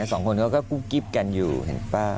สองคนก็กุ้งกิบกันอยู่เห็นปะ